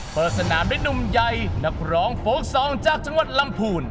เปิดสนามด้วยหนุ่มใหญ่นักร้องโฟกซองจากจังหวัดลำพูน